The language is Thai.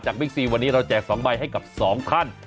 จากมิกซีวันนี้เราแจก๒ใบให้กับ๒คัน